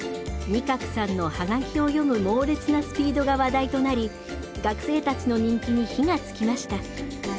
仁鶴さんのハガキを読む猛烈なスピードが話題となり学生たちの人気に火がつきました。